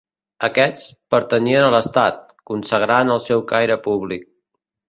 Aquests, pertanyien a l'Estat, consagrant el seu caire públic.